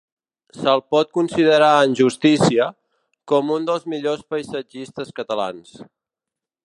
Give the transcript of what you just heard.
Se'l pot considerar, en justícia, com un dels millors paisatgistes catalans.